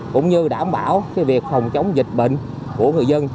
cũng như đảm bảo việc phòng chống dịch bệnh của người dân